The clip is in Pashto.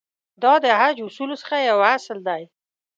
دا د حج اصولو څخه یو اصل دی.